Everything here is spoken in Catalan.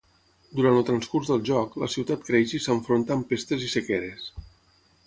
Durant el transcurs del joc, la ciutat creix i s'enfronta amb pestes i sequeres.